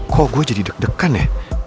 kok gue jadi deg degan ya